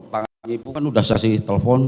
tangannya ibu kan udah saya kasih telpon